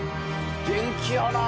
元気やな！